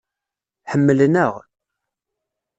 Ḥemmlen-aɣ.